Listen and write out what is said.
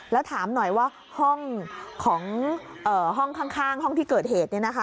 แล้วถามหน่อยว่าห้องของห้องข้างห้องที่เกิดเหตุ